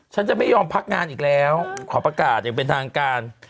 ฉันจะไม่ยอมพักงานอีกแล้วขอประกาศอย่างเป็นทางการ